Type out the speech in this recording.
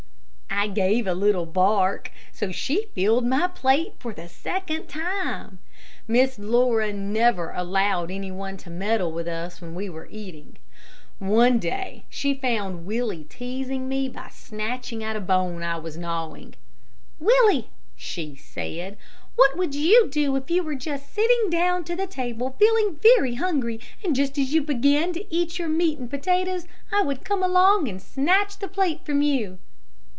I gave a little bark, so she filled my plate for the second time. Miss Laura never allowed any one to meddle with us when we were eating. One day she found Willie teasing me by snatching at a bone that I was gnawing. "Willie," she said, "what would you do if you were just sitting down to the table feeling very hungry, and just as you began to eat your meat and potatoes, I would come along and snatch the plate from you?"